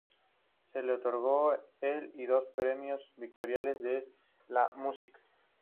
Se le otorgó el y dos premios Victoires de la musique.